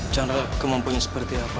chandra kemampuannya seperti apa